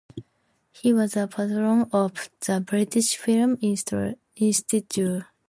He was a patron of the British Film Institute.